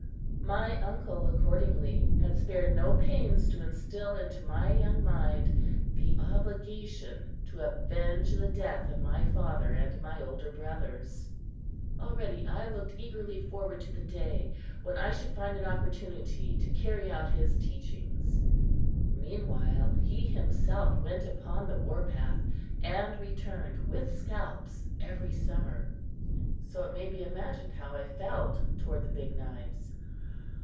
My uncle, accordingly, had spared no pains to instill into my young mind the obligation to avenge the death of my father and my older brothers. Already I looked eagerly forward to the day when I should find an opportunity to carry out his teachings. Meanwhile, he himself went upon the war path and returned with scalps every summer. So it may be imagined how I felt toward the Big Knives!